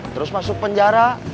terus masuk penjara